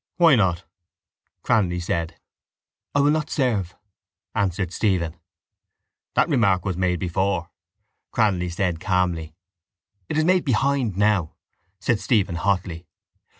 —Why not? Cranly said. —I will not serve, answered Stephen. —That remark was made before, Cranly said calmly. —It is made behind now, said Stephen hotly.